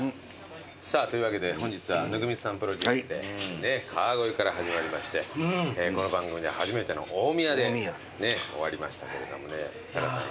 さあというわけで本日は温水さんプロデュースで川越から始まりましてこの番組で初めての大宮で終わりましたけれどもねタカさん